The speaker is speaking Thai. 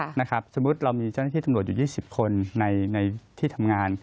สมมุติเรามีเจ้าหน้าที่ตำรวจอยู่๒๐คนในที่ทำงาน